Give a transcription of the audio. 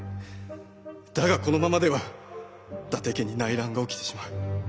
だがこのままでは伊達家に内乱が起きてしまう。